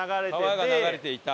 川が流れていた。